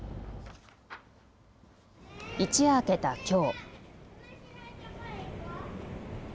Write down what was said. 一夜明けたきょう。